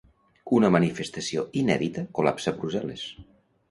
Una manifestació inèdita col·lapsa Brussel·les.